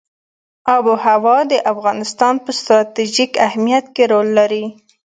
آب وهوا د افغانستان په ستراتیژیک اهمیت کې رول لري.